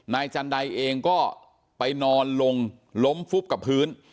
จันไดเองก็ไปนอนลงล้มฟุบกับพื้น